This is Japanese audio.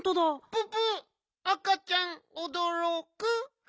ププ赤ちゃんおどろく。